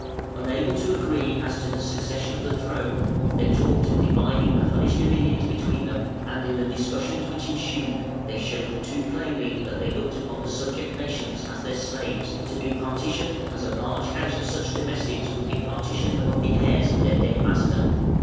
Unable to agree as to the succession of the throne, they talked of dividing the Hunnish dominions between them, and in the discussions which ensued they showed too plainly that they looked upon the subject nations as their slaves, to be partitioned as a large household of such domestics would be partitioned among the heirs of their dead master.